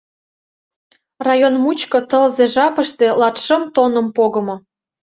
Район мучко тылзе жапыште латшым тонным погымо.